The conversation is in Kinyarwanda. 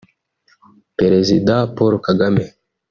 Perezida Paul Kagame